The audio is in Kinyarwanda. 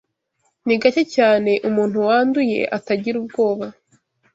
Ni gake cyane, umuntu wanduye atagira ubwoba.